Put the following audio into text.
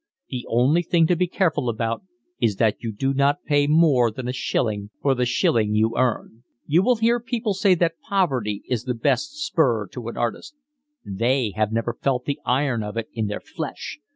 The only thing to be careful about is that you do not pay more than a shilling for the shilling you earn. You will hear people say that poverty is the best spur to the artist. They have never felt the iron of it in their flesh.